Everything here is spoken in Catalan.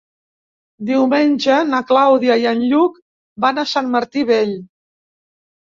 Diumenge na Clàudia i en Lluc van a Sant Martí Vell.